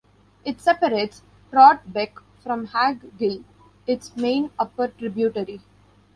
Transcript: It separates Trout Beck from Hagg Gill, its main upper tributary.